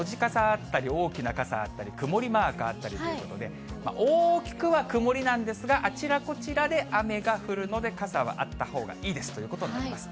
でも閉じた傘あったり、大きな傘あったり、曇りマークあったりということで、大きくは曇りなんですが、あちらこちらで雨が降るので、傘はあったほうがいいですということになります。